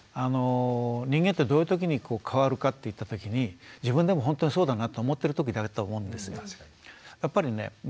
人間ってどういうときに変わるかっていったときに自分でも本当にそうだなと思ってるときだと思うんですよ。